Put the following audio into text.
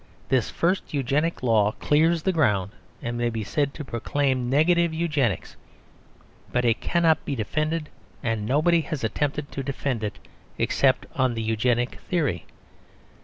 This first Eugenic Law clears the ground and may be said to proclaim negative Eugenics; but it cannot be defended, and nobody has attempted to defend it, except on the Eugenic theory.